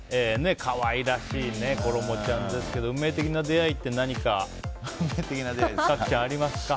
可愛らしいころもちゃんですけど運命的な出会いって何か角ちゃん、ありますか？